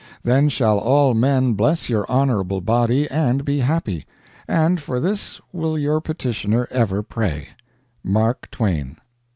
Then shall all men bless your honorable body and be happy. And for this will your petitioner ever pray. MARK TWAIN.